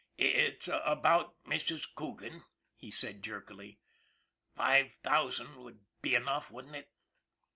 " It's about Mrs. Coogan," he said jerkily. " Five thousand would be enough, wouldn't it?